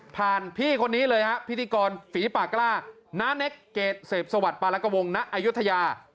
ผ่านพี่คนนี้เลยครับพิธีกรฝีปากราคณเนคเกรดเสพสวัสดิ์ปรากฎวงณอยุธยา